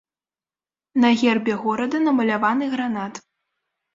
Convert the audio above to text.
На гербе горада намаляваны гранат.